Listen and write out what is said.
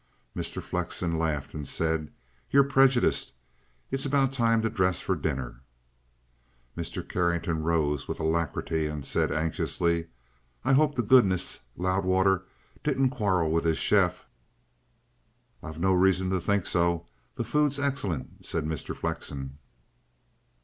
Mr. Flexen laughed and said: "You're prejudiced. It's about time to dress for dinner." Mr. Carrington rose with alacrity and said anxiously, "I hope to goodness Loudwater didn't quarrel with his chef!" "I've no reason to think so. The food's excellent," said Mr. Flexen.